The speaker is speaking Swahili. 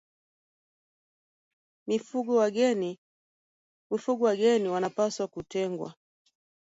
Mifugo wageni wanapaswa kutengwa